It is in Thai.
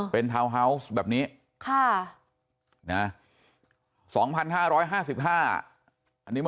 เป็นทาวน์ฮาวส์แบบนี้